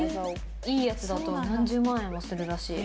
いいやつだと何十万円もするらしい。